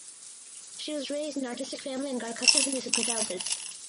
She was raised in an artistic family and got accustomed to music from childhood.